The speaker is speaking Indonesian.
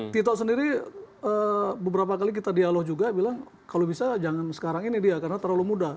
tito sendiri beberapa kali kita dialog juga bilang kalau bisa jangan sekarang ini dia karena terlalu muda